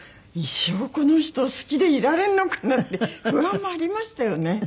一生この人を好きでいられるのかなって不安もありましたよね。